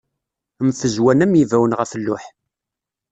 Mfezwan am yibawen ɣef lluḥ.